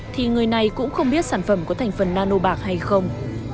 thì người này cũng không biết sản phẩm có thành phần nano bạc hay không